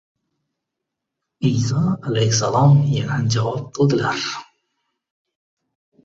Iyso alayhissalom yana javob qildilar: